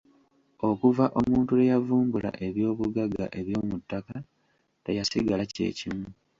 Okuva omuntu lwe yavumbula ebyobugagga eby'omuttaka teyasigala kye kimu.